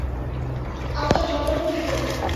আচ্ছা, সতর্ক থেকো।